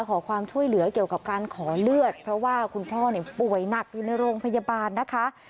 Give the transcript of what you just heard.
ขอความช่วยเหลือเกี่ยวกับการขอเลือดเพราะว่าคุณพ่อป่วยหนักอยู่ในโรงพยาบาลนะคะ